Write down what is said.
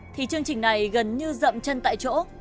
thì chương trình này gần như rậm chân tại chỗ